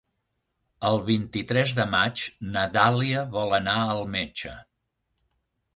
El vint-i-tres de maig na Dàlia vol anar al metge.